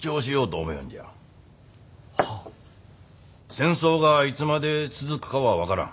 戦争がいつまで続くかは分からん。